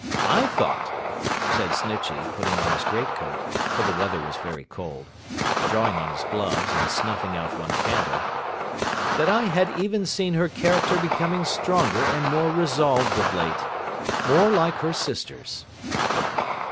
I thought,' said Mr. Snitchey, putting on his great coat (for the weather was very cold), drawing on his gloves, and snuffing out one candle, 'that I had even seen her character becoming stronger and more resolved of late. More like her sister's.